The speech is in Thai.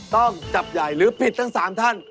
ต้องจับใหญ่หรือผิดทั้ง๓ท่าน